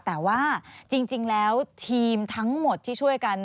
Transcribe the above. แต่ว่าจริงแล้วทีมทั้งหมดที่ช่วยกัน